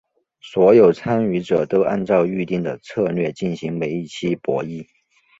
所有参与者都按照预定的策略进行每一期博弈。